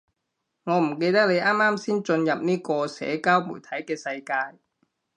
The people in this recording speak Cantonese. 我唔記得你啱啱先進入呢個社交媒體嘅世界